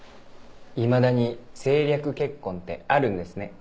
いまだに政略結婚ってあるんですね。